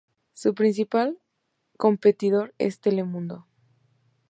Su principal competidor es Telemundo.